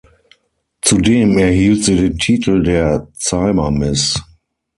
Zudem erhielt sie den Titel der „Cyber Miss“.